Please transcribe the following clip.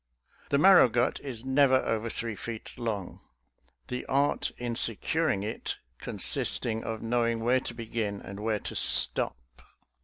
The marrow gut is never over three feet long — the art in securing it consisting of knowing where to begin and where to stop.